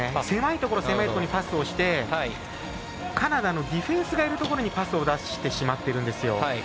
狭いところにパスをしてカナダのディフェンスがいるところにパスを出してしまってるんですよ。